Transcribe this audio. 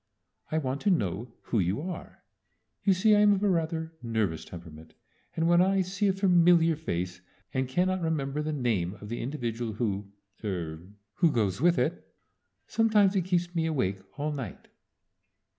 "I want to know who you are. You see I'm of a rather nervous temperament, and when I see a familiar face and cannot remember the name of the individual who er who goes with it, sometimes it keeps me awake all night."